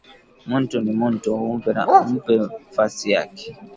Muntu ni muntu umupe fasi yake